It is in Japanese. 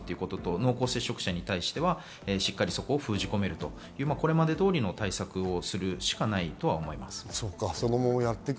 濃厚接触者に対してはそこを封じ込める、これまで通りの対策をするしかないと思います。